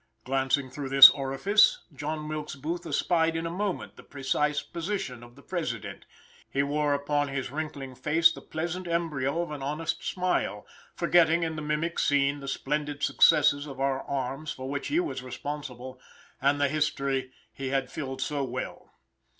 Glancing through this orifice, John Wilkes Booth espied in a moment the precise position of the President; he wore upon his wrinkling face the pleasant embryo of an honest smile, forgetting in the mimic scene the splendid successes of our arms for which he was responsible, and the history he had filled so well.